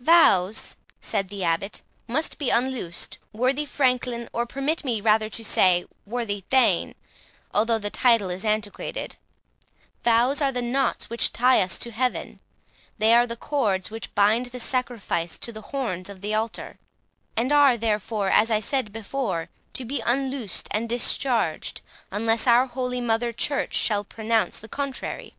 "Vows," said the Abbot, "must be unloosed, worthy Franklin, or permit me rather to say, worthy Thane, though the title is antiquated. Vows are the knots which tie us to Heaven—they are the cords which bind the sacrifice to the horns of the altar,—and are therefore,—as I said before,—to be unloosened and discharged, unless our holy Mother Church shall pronounce the contrary.